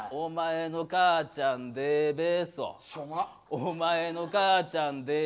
お前の母ちゃんでべそ。